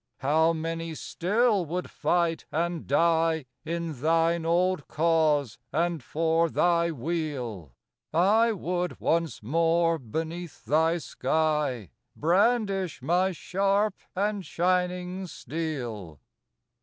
How many still would fight and die In thine old cause and for thy weal! I would once more beneath thy sky Brandish my sharp and shining steel.